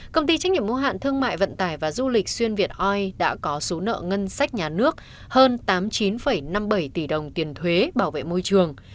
công ty trách nhiệm mô hạn thương mại vận tải và du lịch xuyên việt oi đã có số nợ ngân sách nhà nước hơn tám mươi chín năm mươi bảy tỷ đồng tiền thuế bảo vệ môi trường